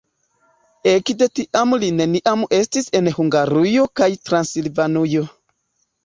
Ekde tiam li neniam estis en Hungarujo kaj Transilvanujo.